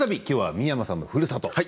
きょうは三山さんのふるさと